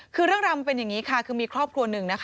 คือเรื่องราวมันเป็นอย่างนี้ค่ะคือมีครอบครัวหนึ่งนะคะ